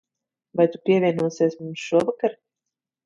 Vai tu pievienosies mums šovakar?